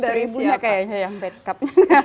dari ibunya kayaknya yang bad cop